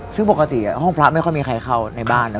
ซึ่งปกติห้องพระไม่ค่อยมีใครเข้าในบ้านนะ